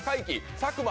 佐久間！